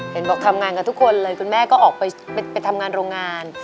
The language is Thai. เห็นบอกทำงานกับทุกคนเลยคุณแม่ก็ออกไปทำงานโรงงาน